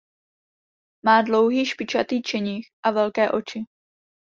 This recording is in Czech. Má dlouhý špičatý čenich a velké oči.